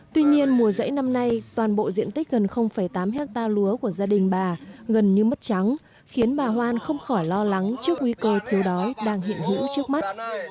tuy nhiên mùa rẫy năm nay toàn bộ diện tích gần tám hectare lúa của gia đình bà gần như mất trắng khiến bà hoan không khỏi lo lắng trước nguy cơ thiếu đói đang hiện hữu trước mắt